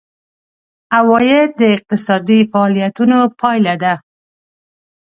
عواید د اقتصادي فعالیتونو پایله ده.